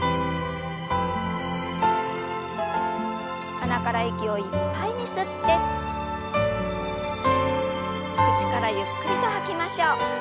鼻から息をいっぱいに吸って口からゆっくりと吐きましょう。